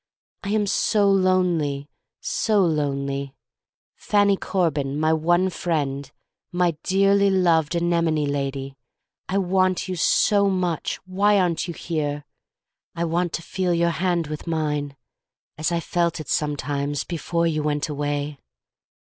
I am so lonely, so lonely — Fannie Corbin, my one friend, my dearly loved anemone lady, I want you so much — ^why aren't you here! I want to feel your hand with mine as I felt it sometimes before you went away.